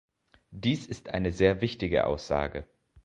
Dies ist eine sehr wichtige Aussage.